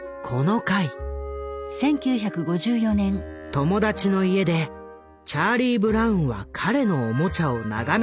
友達の家でチャーリー・ブラウンは彼のおもちゃを眺めている。